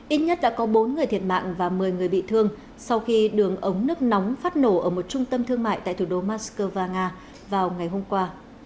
ít nhất đã có bốn người thiệt mạng và một mươi người bị thương sau khi đường ống nước nóng phát nổ ở một trung tâm thương mại tại thủ đô moscow và nga vào ngày hôm qua